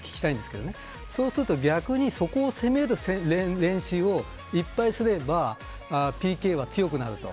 そうすると逆にそこを攻める練習をたくさんすればＰＫは強くなると。